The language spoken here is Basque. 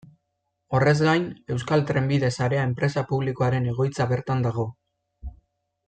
Horrez gain, Euskal Trenbide Sarea enpresa publikoaren egoitza bertan dago.